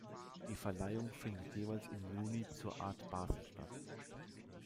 Die Verleihung findet jeweils im Juni zur Art Basel statt.